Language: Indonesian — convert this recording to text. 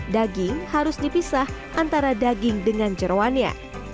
daging harus dipisah antara daging dengan jeruannya